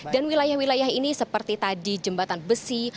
dan wilayah wilayah ini seperti tadi jembatan besi